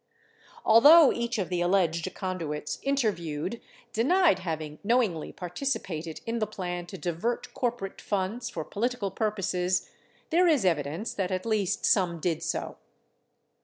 Although each of the alleged conduits interviewed denied having knowingly participated in the plan to divert corporate funds for political purposes, there is evi dence that at least some did so.